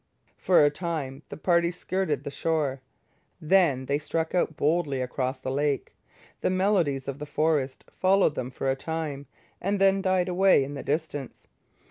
For a time the party skirted the shore. Then they struck out boldly across the lake. The melodies of the forest followed them for a time, and then died away in the distance.